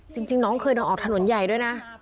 จริงน้องเคยเดินออกถนนใหญ่ด้วยนะ